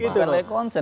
bukan hanya konsen